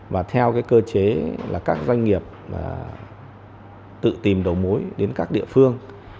và theo cơ chế là các doanh nghiệp tự tìm đầu mối đến các địa phương